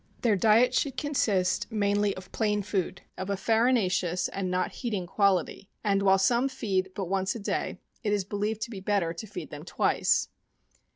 Their diet should consist mainly of plain food, of a farinaceous and not heating quality; and while some feed but once a day, it is believed to be better to feed them twice.